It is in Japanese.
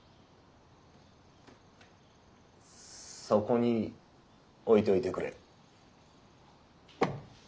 そこに置いといてくれ。